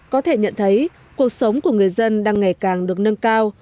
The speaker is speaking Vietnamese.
có thể nhận thấy cuộc sống của người dân đang ngày càng được nâng cao